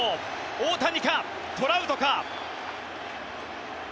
大谷か、トラウトか。